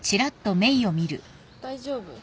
大丈夫？